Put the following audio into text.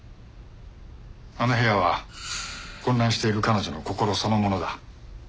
あの部屋は混乱している彼女の心そのものだ。